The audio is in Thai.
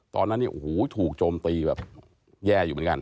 ตอนนั้นเนี่ยโอ้โหถูกโจมตีแบบแย่อยู่เหมือนกัน